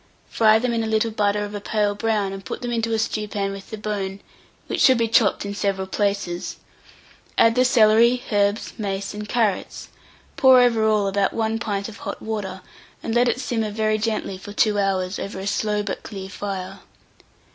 Fry them in a little butter of a pale brown, and put them into a stewpan with the bone (which should be chopped in several places); add the celery, herbs, mace, and carrots; pour over all about 1 pint of hot water, and let it simmer very gently for 2 hours, over a slow but clear fire.